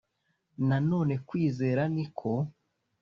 Nanone kwizera ni ko